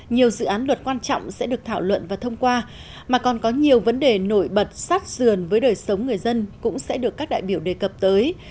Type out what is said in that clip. nhiều dự án luật quan trọng sẽ được thảo luận và thông qua mà còn có nhiều vấn đề nổi bật sát sườn với đời sống người dân cũng sẽ được các đại biểu đề cập tới